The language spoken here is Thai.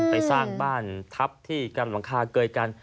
ไปสร้างบ้านทับที่กันหลังคาเกยกัน